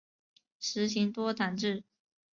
实行多党制。